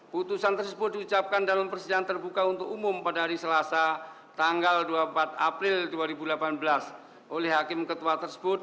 putusan tersebut diucapkan dalam persidangan terbuka untuk umum pada hari selasa tanggal dua puluh empat april dua ribu delapan belas oleh hakim ketua tersebut